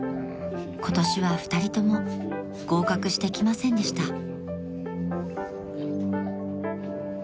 ［今年は２人とも合格してきませんでした］